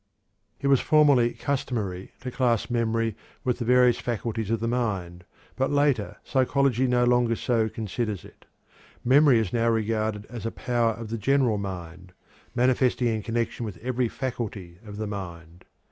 It was formerly customary to class memory with the various faculties of the mind, but later psychology no longer so considers it. Memory is now regarded as a power of the general mind, manifesting in connection with every faculty of the mind.